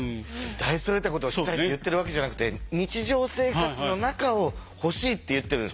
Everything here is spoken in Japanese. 大それたことをしたいって言ってるわけじゃなくて日常生活の中を欲しいって言ってる。